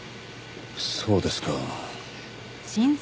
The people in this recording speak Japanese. そうですか。